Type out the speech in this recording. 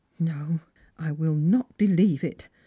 No ; I will not believe it.